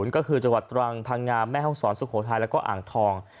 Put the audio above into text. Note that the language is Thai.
ก็คือจังหวัดตรังพังงามแม่ห้องศรสุโขทัยแล้วก็อ่างทอง